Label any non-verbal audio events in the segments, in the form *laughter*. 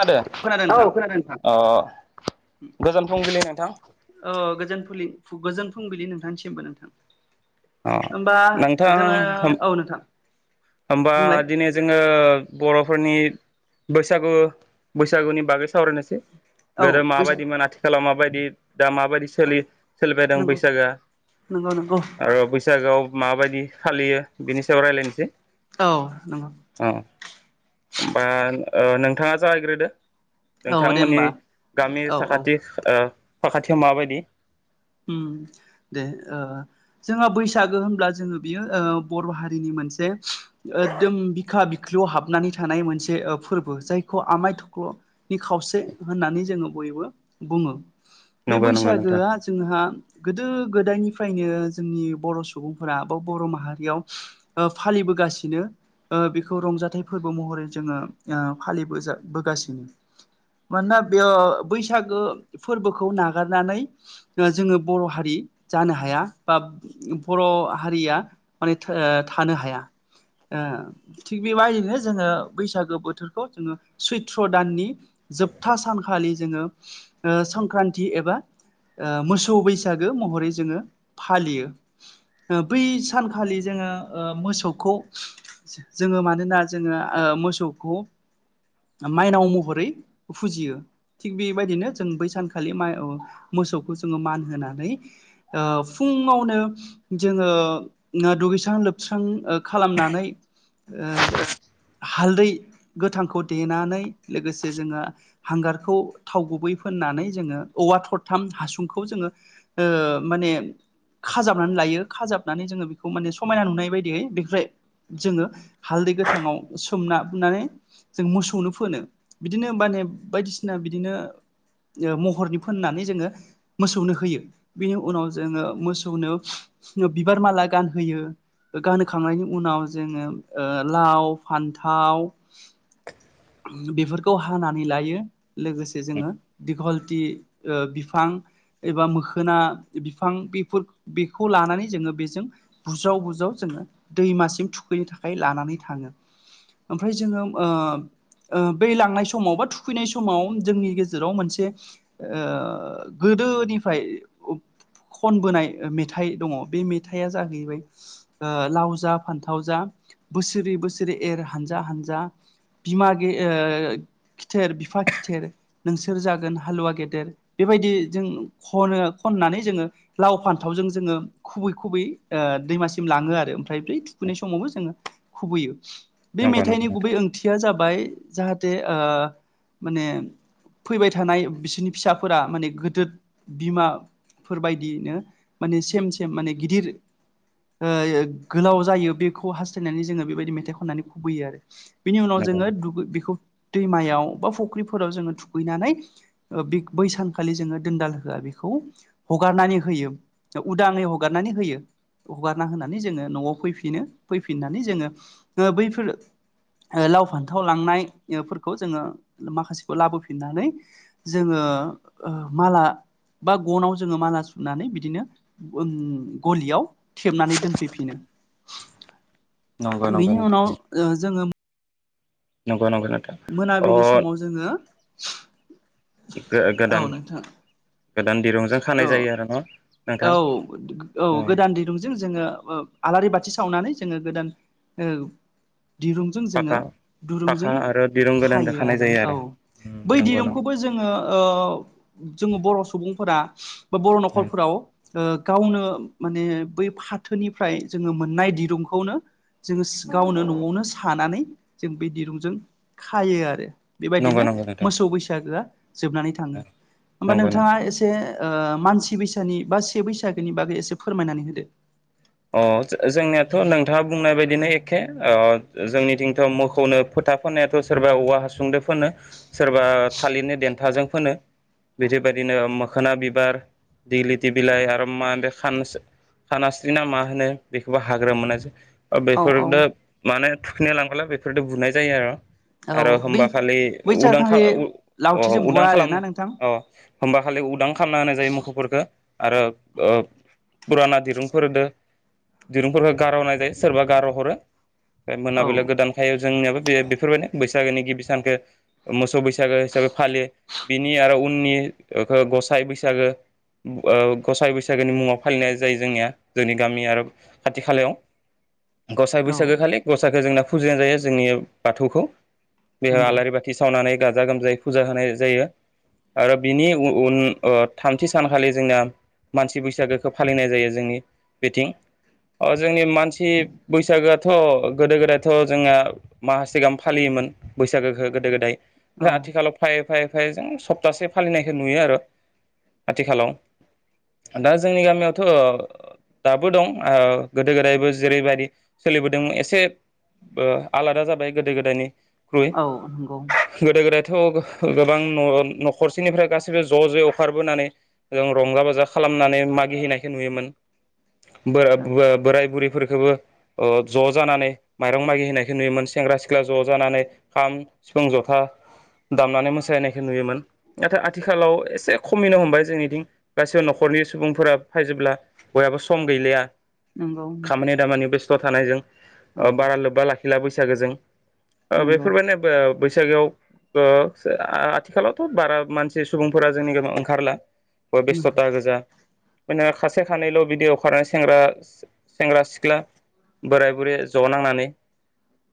खोनादों औ खोनादों नोंथां अ गोजान फुंबिलि नोंथां ओ गोजोन फुलि गोजोन फुंबिलि नोंथांनिसिमबो नोंथां अ होमबा नोंथाङा जोङो औ होमबा बुंलाय दिनै जोङो ओ बर'फोरनि बैसागु बैसागुनि बागै सावरायनोसै औ गोदो बैसाग माबायदिमोन आथिखालाव माबायदि दा माबायदिलि सोलिबायदों नंगौ बैसागोआ नंगौ नंगौ आरो बैसागोआव माबायदि फालियो बिनि सायाव रायज्लायनोसै औ नंगौ होमबा ओ नोंथाङा जागायग्रोदो औ दे होमबा नोंथांमोननि गामि औ औ साखाथि ओ साखाथियाव माबायदि ओम दे ओ जोंहा बैसागो होनब्ला जोङो बियो ओ बर' हारिनि मोनसे एकदम बिखा बिख्लुआव हाबनानै थानाय मोनसे ओ फोरबो जायखौ आमाय थख्ल'नि खावसे होननानै जोङो बयबो बुङो बे नंगौ नंगौ नोंथां बैसागोआ हा गोदो गोदायनिफ्रायनो जोंनि बर' सुबुंफोरा बा बर' माहारियाव फालिबोगासिनो ओ बेखौ रंजाथाइ फोरबो महरै जोङो ओ फालिबोजाबोगासिनो मानोना बेयो ओ बैसागो फोरबोखौ नागारनानै ओ जोङो बर' हारि जानो हाया बा बर' हारिया माने ओ थानो हाया ओ थिग बेबायदिनो जोङो बैसागो बोथोरखौ जोङो सैथ्र' दाननि जोबथा सानखालि जोङो ओ संक्रान्ति एबा ओ मोसौ बैसागो महरै जोङो फालियो ओ बै सानखालि जोङो ओ मोसौखौ जोङो मानोना जोङो ओ मोसौखौ माइनाव महरै फुजियो थिग बेबायदिनो जों बै सानखालि मा ओ मोसौखौ जोङो मानहोनानै ओ फुङावनो जोङो दुगैस्रां लोबस्रां ओ खालामनानै ओ हालदै गोथांखौ देनानै लोगोसे जोङो हांगारखौ थाव गुबै फोननानै जोङो औवा थद थाम हासुंखौ जोङो माने खाजाबनानै लायो खाजाबनानै जोङो बेखौ माने समायना नुनाय बायदियै बेफ्राय जोङो हालदै गोथांआव सोमना फुनानै जों मोसौनो फोनो बिदिनो माने बायदिसिना बिदिनो ओ महरनि फोननानै जोङो मोसौनो होयो बिनि उनाव जोङो मोसौनो बिबार माला गानहोयो गानहोखांनायनि उनाव जोङो लाव, फान्थाव बेफोरखौ हानानै लायो। लोगोसे जोङो दिगल ति ओ बिफां एबा मोखोना बिफां बेफोर बेखौ लानानै जोङो बेजों बुज्राव बुज्राव जोङो दैमासिम थुखैनो थाखाय लानानै थाङो ओमफ्राय जोङो ओ बै लांनाय समाव बा थुखैनाय समाव जोंनि गेजेराव मोनसे ओ गोदोनिफ्राय खनबोनाय मेथाइ दङ बे मेथाइआ जाहैबाय ओ लाव जा फान्थाव जा बोसोरै बोसोरै एर हानजा हानजा बिमा गे ओ खिथेर बिफा खिथेर नोंसोर जागोन हालुवा गेद देर बेबायदि जों खनो खननानै जोङो लाव फान्थावजों जोङो खुबै-खुबै ओ दैमासिम लाङो आरो। *unintelligible* ब्रै थुखैनाय समावबो जोङो। खुबैयो। बे नंगौ नंगौ मेथाइनि नोंथां गुबै ओंथिया जाबाय जाहाथ जे ओ माने फैबाय थानाय बिसोरनि फिसाफोरा माने गोदो बिमाफोरबायदियैनो माने सेम-सेम माने गिदिर ओ गोलाव जायो बेखौ हास्थायनानै जोङो बेबायदि मेथाइ खननानै खुबैयो आरो। बिनि उनाव नंगौ जोङो दुगै बेखौ दैमायाव बा फुख ख्रिफोराव जोङो थुखैनानै ओ बिग बै सानखालि जोङो दोनदाल होआ बेखौ हगारनानै होयो उदाङै हगारनानै होयो हगारना होनानै जोङो न'आव फैफिनो फैफिननानै जोङो ओ बैफोर लाव फान्थाव ओ लांनायफोरखौ जोङो माखासेखौ लाबोफिननानै जोङो माला बा गनाव जोङो माला सुनानै बिदिनो गलियाव थेबनानै दोनफैफिनो। नंगौ नंगौ बेनि उनाव ओ जोङो। नंगो नंगो मोनाबिलि समाव जोङो औ गोदान नोंथां। गोदान दिरूं जों औ खानाय जायो आरो न'। नोंथां औ औ उम गोदान दिरुंजों जोङो ओ आलारि बाथि सावनानै जोङो गोदान ओ। दिरुंजों जोङो फाखा फाखा दुरुंजों आरो दिरुं गोदानजों खायो खानाय आरो जायो औ उम बै नंगौ नंगौ दिरुंखौबो जोङो ओ जोङो बर' सुबुंफोरा बो बर' उम न'खरफोराव ओ गावनो माने बै फाथोनिफ्राय जोङो मोननाय दिरुंखौनो जोङोस गावनो न'आवनो सानानै जों बे दिरुंजों खायो आरो नंगौ बेबायदिनो नंगौ नोंथां मोसौ बैसागोआ जोबनानै थाङो उम होमबा नंगौ नंगौ नोंथाङा एसे ओ मानसि बैसानि बा से बैसागोनि बागै एसे फोरमायनानै होदो। अ जों जोंनियाथ' नोंथाङा बुंनाय बायदिनो एखे अ जोंनिथिंथ' मोखौनो फोथा फोननायाथ' सोरबा औवा हासुंदो फोनो सोरबा थालिरनि देन्थाजों फोनो बिदिबायदिनो मोखोना बिबार दैलिथि बिलाइ आरो मा होनदो खानस खाना सोना मा होनो बेखौबो हाग्रो मोनासै औ बेफोरनो औ माने थुखैनाय लांबोला बेफोरदो बुनाय जायो औ आरो बै होमबा खालि बै उदां खा सानखालि अ लावथिजों बुवा उदां आरोना खालामनो नोंथां अ होमबा खालि उदां खामना होनाय जायो मोखफोरखो आरो ओ पुराना दिरुं दिरुंफोरखौ गार'नाय जायो सोरबा गार'हरो। ओ औ मोनाबिलियाव गोदानखायो जोंनियाबो। बे बेफोरबायदिनो बैसागोनि गिबि सानखो मोसौ बैसागो हिसाबै फालियो बिनि आरो उननिखौ गसाइ बैसागो ओ गसाइ बैसागोनि मुङाव फालिनाय जायो जोंनिया। जोंनि गामि आरो खाथि खालायाव। गसाइ औ बैसागो खालि गसाइखो जोंना फुजिनाय जायो जोंनि बाथौखौ। बेयाव नंगौ आलारि बाथि सावनानै गाजा गोमजायै फुजा होनाय जायो आरो बिनि उन--उन ओ थामथि सानखालि जोंना मानसि बैसागोखौ फालिनाय जायो जोंनि बिथिं अ जोंनि मानसि बैसागोआथ' गोदो गोदायथ' जोङा माससे गाहाम फालियोमोन बैसागोखौ गोदो गोदाय। औ ओ आथिखालाव फाइ फाय फाय जों सप्तासे फालिनायखौ नुयो आर आथिखालाव दा जोंनि गामियावथ' दाबो दं ओ गोदो गोदायबो जेरैबायदि सोलिबोदों एसे ओ आलादा जाबाय गोदो गोदायनि औ नंगौ। थ' गो गोबां न'--न'खरसेनिफ्राय गाैसैबो ज' ज'यै अखारबोनानै जों रंजा बाजा खालामनानै मागिहैनायखौ नुयोमोन। औ बो--बो--बोराय बुरि फोरखोबो ओ ज' जानानै माइरं मागि होनायखौ नुयोमोन सेंग्रा सिख्ला ज' जानानै खाम सिफुं जथा दामनानै मोसाहैनायखौ नुयोमोन नाथाय आथिखालाव एसे खमिनो हमबाय जोंनिदिं गासै न'खरनि सुबुंफोरा फायजोबला। बयहाबो सम गैलिया। नंगौ खामानि दामानि बेस थ' थानायजों। औ ओ बारा लोब्बा लाखि हेला बैसागोजों। ओ नंगौ बेफोर माने बोब बैसागोआव ओ सो आ--आथिखालावथ' बारा मानसि सुबुंफोरा जोंनि गामियाव ओंखारला। ओ बेस्थ'था गोजा। *unintelligible* खा सेखानैल' बिदि अखारो सेंग्रा सें सेंग्रा सिख्ला बोराय बुरै ज' नांनानै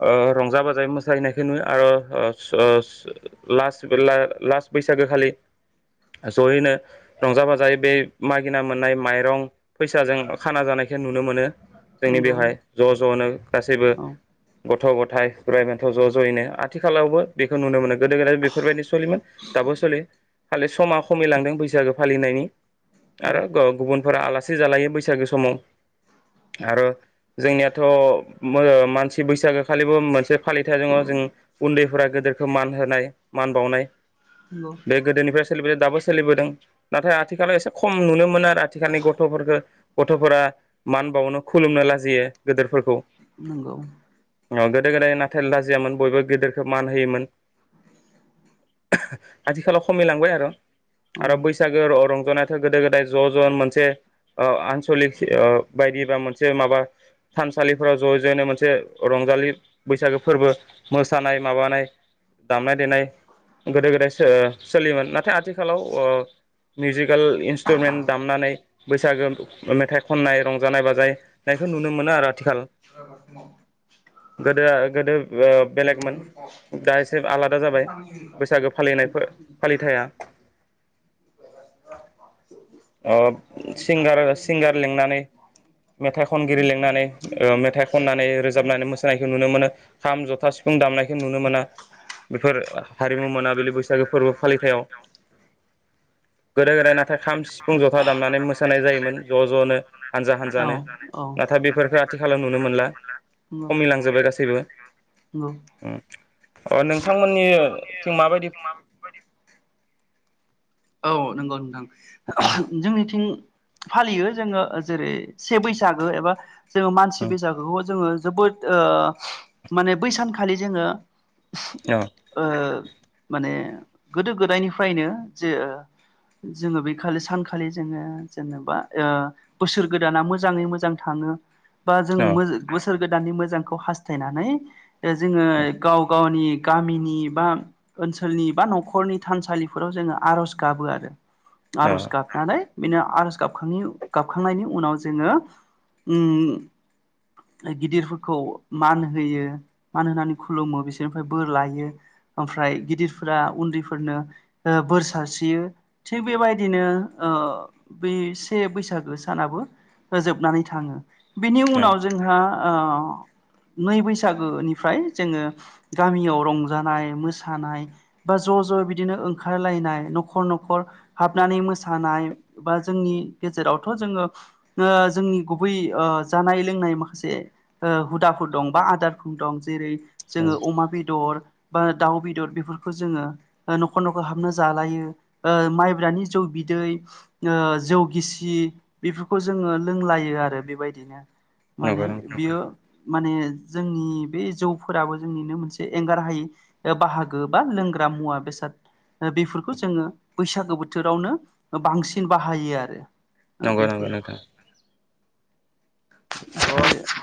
ओ रंजा बाजायै मोसाहैनायखौ नुयो आर ओ सो लास ओ लास बैसागो खालि जयैनो रंजा - बाजायै बे मागिना मोन्नाय माय रं फैसाजों खाना जानायखौ नुनो मोनो। जोंनि नंगौ बेवहाय ज' ज'नो गासैबो औ गथ' ग' थाय बोराय -बेन्थ' ज' ज'यैनो आथिखालावबो बेखौ नुनो मोनो। गोदो गोदाय बेफोरबायदि सलियोमोन दाबो सलियो। खालि समाव। खमिलांदों बैसागो। फालिनायनि। आरो ग गुबुन। फोरा आलासि जालायो बैसागो समाव आरो जोंनियाथ' मो ओ मानसि बैसागो। खालिबो मोनसे फालिथाय दङ जों उन्दैफोरा। गोदोखो मान होनाय मान बावनाय। नंगौ बे गोदोनिफ्राय सा। सोलि बो दाबो सोलिबोदों नाथाय आथिखालाव एसे खम नुनो मोनो आरो। थिखानि गथ'फोरखौ। गथ'फोरा मान बावनो खुलुमनो लाजियो गोदोरफोरखौ। नोंगौ। ओ गोदो गोदाय नाथाय लाजियामोन बयबो गोदोरखौ मान होयोमोन आथिखालाव खमिलांबाय आरो। औ आरो बैसागो *unintelligible* जनाथ' गोदो गोदाय ज' *unintelligible* जन मोनसे ओ आनसलिक ओ बायदि बा मोनसे माबा थानसालिफोराव ज' ज'नो मोनसे रंजालि बैसागो फोरबो मोसानाय माबानाय दामनाय देनाय गोदो गोदाय सोलियोमोन नाथाय आथिखालाव ओ मिउजिकेल इन्सट्रमेन्ट दामनानै बैसागो मेथाइ खननाय रंजानाय बाजानायनायखौ नुनो मोनो आरो आथिखाल *unintelligible* गोदो गोदो बेलेगमोन दा एसे आलादा जाबाय बैसागो फालिनायफो फालिथाया अब सिंगारार सिंगार लिंनानै मेथाइ खनगिरि लिंनानै ओ मेथाइ खननानै रोजाबनानै मोसानायखौ नु नुनो मोनो खाम जथा सिफुं दामनायखौ नुनो मोना बेफोर हारिमु मोनाबिलि बैसागो फोरबो फालिथायाव गोदो गोदाय नाथाय खाम जथा दामनानै मोसानाय जायोमोन ज' ज'नो। हानजा हानजानो औ नाथाय बेफोरखो खाथि खाला नुनो मोनला नंगौ खमिलांजोब्बाय गासैबो। नंगौ अ नोंथांमोननिथिं माबायदि औ नंगौ नोंथां। जोंनिथिं फालियो जोङो जेरै से बैसागो एबा जोङो मानसि बैसागोखौ जोङो जोबोद ओ माने बै सानखालि जोङो औ औ ओ माने गोदो गोदायनिफ्रायनो जे जोङो बे खालि सानखालि जोङो जेनेबा ओ बोसोर गोदाना मोजाङै मोजां थाङो बा जों मो बोसोर। गोदाननि मोजांखौ हास्थायनानै जोङो गाव गावनि गामिनि बा ओनसोलनि बा न'खरनि थानसालिफोराव जोङो आर'ज गाबो आरो। औ आर'ज गाबनानै बिनो आर'ज गाबखांनि गाबखांनायनि उनाव जोङो उम गिदिरफोरखौ मान होयो मान होनानै खुलुमो बिसोरनिफ्राय बोर लायो ओमफ्राय गिदिरफोरा उन्दैफोरनो ओ बोर सारस्रियो थिग बेबायदिनो ओ बै से बैसागो सानाबो जोबनानै थाङो। बेनि उनाव जोंहा ओ नै बैसागो निफ्राय जोङो गामियाव रंजानाय मोसानाय बा ज ज बिदिनो ओंखारलायनाय न'खर न'खर हाबनानै मोसानाय बा जोंनि गेजेरावथ' जोङो ओ जोंनि गुबै ओ जानाय लोंनाय माखासे ओ हुदाफोर दं बा आदारफोर दं जेरै जोङो अमा बेदर बा दाउ बेदर बेफोरखौ जोङो न'खर न'खर हाबनो जालायो। ओ माइब्रानि जौ बिदै ओ जौ गिसि बेफोरखौ जोङो लोंलायो आरो बेबायदिनो। नंगौ माने नंगौ बियो माने जोंनि बे जौफोराबो जोंनिनो मोनसे एंगार हायै बाहागो बा लोंग्रा मुवा बेसाद बे बेखौ जोङो बैसागो बोथोरावनो बांसिन बाहायो आरो। नंगौ नंगौ बेफोर नोंथां। ओमफ्राय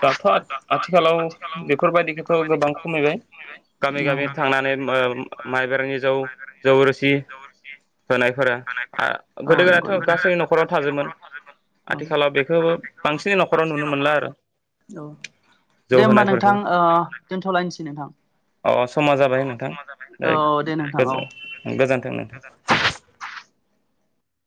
दाथ' आथिखालाव बेफोर बायदिखौथ' गोबां खमायबाय गामि गामि थांनानै माइब्रानि जौ जौ रोसि होनायफोरा गोदो गोदायथ' गासै न'खराव थाजोमोन थाजोबोमोन। आथिखालाव बेखौबो बांसिन न'खर नुनो मोनला आरो औ जौ दे होमबा होनायफोरखौ नोंथां ओ दोनथ'लायनोसै नोंथां। अह समा जाबाय नोंथां औ दे नोंथां औ। गोजो गोजोन *inaudible*